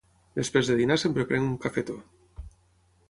Després de dinar sempre prenc un cafetó.